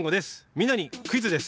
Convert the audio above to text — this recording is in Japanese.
みんなにクイズです。